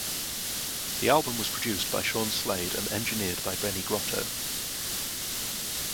The album was produced by Sean Slade and engineered by Benny Grotto.